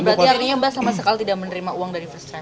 berarti artinya mbak sama sekali tidak menerima uang dari first trave